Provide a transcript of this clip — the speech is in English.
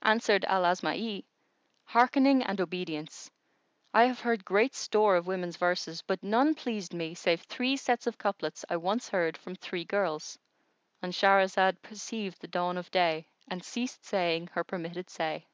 Answered Al Asma'i, "Hearkening and obedience! I have heard great store of women's verses; but none pleased me save three sets of couplets I once heard from three girls."——And Shahrazad perceived the dawn of day and ceased saying her permitted say.